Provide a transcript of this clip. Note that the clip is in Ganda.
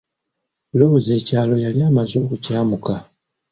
Loozi ekyalo yali amaze okukyamuka.